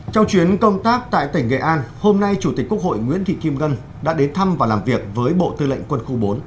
trong chuyến công tác tại tỉnh nghệ an hôm nay chủ tịch quốc hội nguyễn thị kim ngân đã đến thăm và làm việc với bộ tư lệnh quân khu bốn